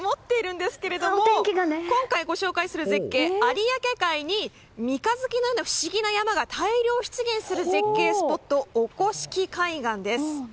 ちょっと曇っているんですが今回ご紹介する絶景有明海に三日月のような不思議な山が大量出現する絶景スポット、御輿来海岸です。